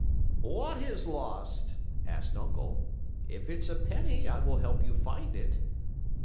"What is lost?" asked Uncle. "If it's a penny I will help you find it."